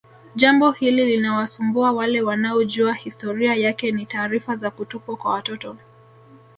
Jambo hili linawasumbua wale wanaojua historia yake ni taarifa za kutupwa kwa watoto